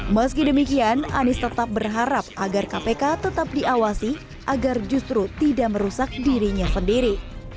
meski demikian anies tetap berharap agar kpk tetap diawasi agar justru tidak merusak dirinya sendiri